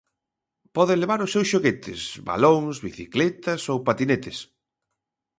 Poden levar os seus xoguetes, balóns, bicicletas ou patinetes.